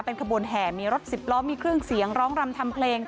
ขบวนแห่มีรถสิบล้อมีเครื่องเสียงร้องรำทำเพลง